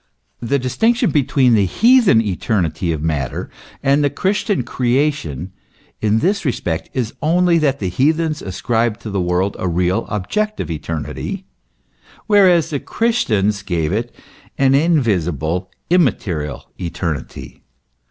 The distinction between the heathen eternity of matter and the Christian creation in this respect, is only 'that the heathens ascribed to the world a real, objective eternity, whereas the Christians gave it an invisible, immaterial eternity.